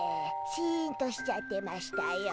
シンとしちゃってましたよ。